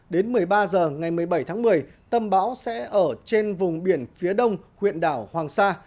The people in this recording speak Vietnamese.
đến một mươi ba h ngày một mươi bảy tháng một mươi tâm bão sẽ ở trên vùng biển phía đông huyện đảo hoàng sa